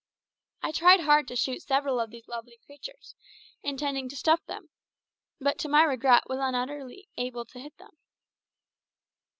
I tried hard to shoot several of these lovely creatures, intending to stuff them, but, to my regret, was utterly unable to hit them.